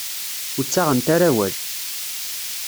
Ur ttaɣent ara awal.